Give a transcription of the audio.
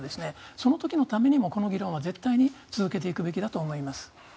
その時のためにもこの議論は絶対に続けていくべきだと思います。